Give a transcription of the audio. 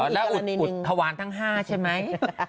แล้วอุดขวานทั้ง๕ใช่ไหม